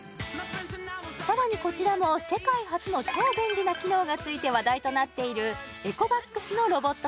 さらにこちらも世界初の超便利な機能がついて話題となっているエコバックスのロボット